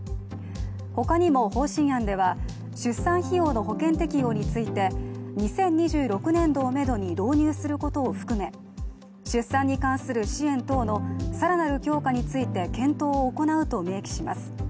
他にも方針案では出産費用の保険適用について、２０２６年度をめどに導入することを含め出産に関する支援等の更なる強化について検討を行うと明記します。